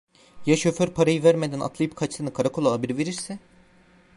Ya şoför parayı vermeden atlayıp kaçtığını karakola haber verirse?